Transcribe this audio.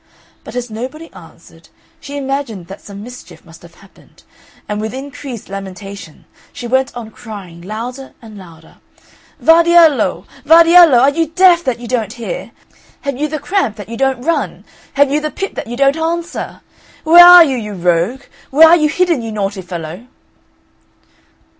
But as nobody answered, she imagined that some mischief must have happened, and with increased lamentation she went on crying louder and louder, "Vardiello! Vardiello! are you deaf, that you don't hear? Have you the cramp, that you don't run? Have you the pip, that you don't answer? Where are you, you rogue? Where are you hidden, you naughty fellow?"